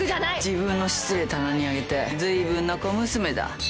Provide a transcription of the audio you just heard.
「自分の失礼棚に上げてずいぶんな小娘だ」